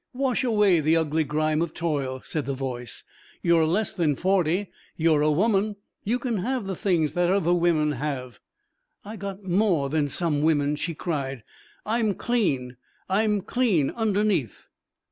"Wash away the ugly grime of toil," said the voice. "You're less than forty. You're a woman. You can have the things that other women have." "I got more than some women," she cried. "I'm clean I'm clean underneath."